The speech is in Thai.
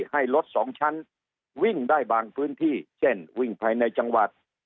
ให้รถสองชั้นวิ่งได้บางพื้นที่เช่นวิ่งภายในจังหวัด